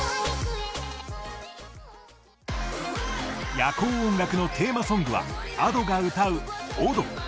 「夜光音楽」のテーマソングはＡｄｏが歌う「踊」。